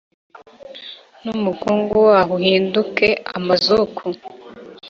n umukungugu waho uhinduke amazuku